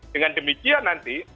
dengan demikian nanti